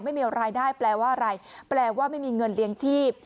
ไม่มีรายได้แปลว่าอะไรแปลว่าไม่มีเงินเลี้ยงชีพ